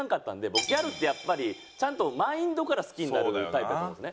僕ギャルってやっぱりちゃんとマインドから好きになるタイプやと思うんですね。